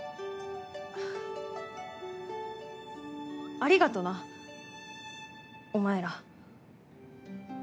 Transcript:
ありがとなお前ら。